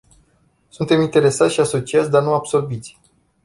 Suntem interesați și asociați, dar nu absorbiți.